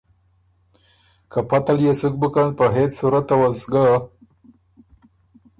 که پته ليې سُک بُکن په هېڅ صورته وه سو ګۀ